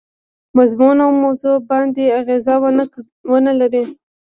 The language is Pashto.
مضمون او موضوع باندي اغېزه ونه لري.